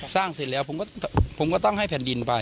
เสร็จแล้วผมก็ต้องให้แผ่นดินไป